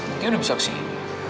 mungkin udah bisa ke sini